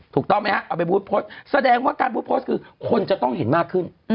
ถูกต้องไหมฮะเอาไปบูธโพสต์แสดงว่าการพูดโพสต์คือคนจะต้องเห็นมากขึ้น